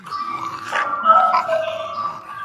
তাহাতে তিনি বিব্রত হইয়া উঠিলেন।